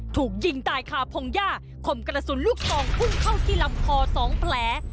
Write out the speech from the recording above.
ถูกยิงตายคาพงหญ้าคมกระสุนลูกซองพุ่งเข้าที่ลำคอ๒แผล